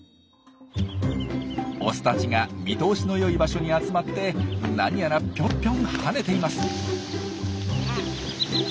オスたちが見通しの良い場所に集まって何やらピョンピョン跳ねています。